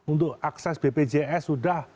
untuk akses bpjs sudah